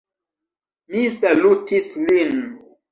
Mi salutis lin.